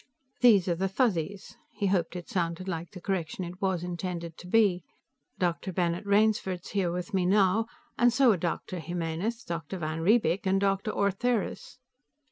"These are the Fuzzies." He hoped it sounded like the correction it was intended to be. "Dr. Bennett Rainsford's here with me now, and so are Dr. Jimenez, Dr. van Riebeek and Dr. Ortheris."